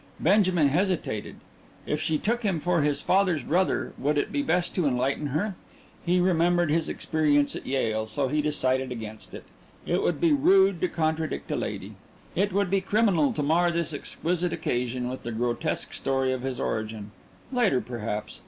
Benjamin hesitated. If she took him for his father's brother, would it be best to enlighten her? He remembered his experience at Yale, so he decided against it. It would be rude to contradict a lady; it would be criminal to mar this exquisite occasion with the grotesque story of his origin. Later, perhaps.